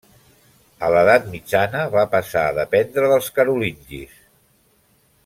A l'Edat Mitjana va passar a dependre dels carolingis.